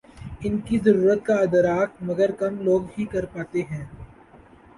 ان کی ضرورت کا ادراک مگر کم لوگ ہی کر پاتے ہیں۔